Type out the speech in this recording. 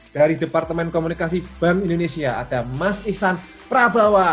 dari departemen komunikasi bank indonesia ada mas isan prabawa